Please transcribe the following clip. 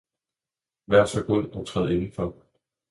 'Vær så god og træd indenfor!